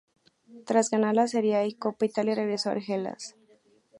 Tras ganar la Serie A y Copa Italia, regresó al Hellas.